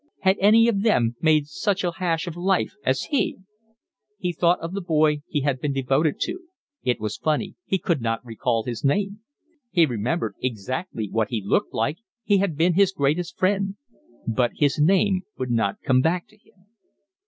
Had any of them made such a hash of life as he? He thought of the boy he had been devoted to; it was funny, he could not recall his name; he remembered exactly what he looked like, he had been his greatest friend; but his name would not come back to him.